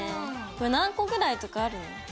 これ何個ぐらいとかあるの？